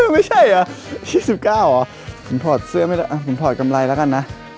ไม่ใช่เหรอ๒๙เหรอผมถอดเสื้อไม่ได้ผมถอดกำไรแล้วกันนะ